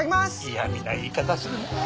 嫌みな言い方するなぁ。